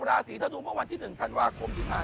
ราศรีทนูเมื่อวันที่๑ธาตุวาคมีทัน